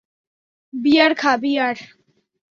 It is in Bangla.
বিয়ার খা, বিয়ার।